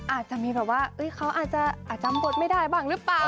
อาจจะมีแบบว่าเขาอาจจะจำบทไม่ได้บ้างหรือเปล่า